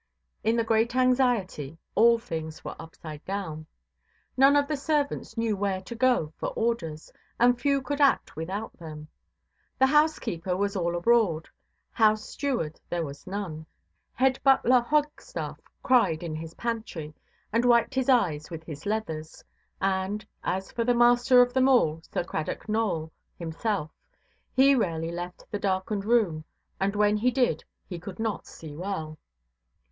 In the great anxiety, all things were upside down. None of the servants knew where to go for orders, and few could act without them; the housekeeper was all abroad; house–steward there was none; head–butler Hogstaff cried in his pantry, and wiped his eyes with the leathers; and, as for the master of them all, Sir Cradock Nowell himself, he rarely left the darkened room, and when he did he could not see well.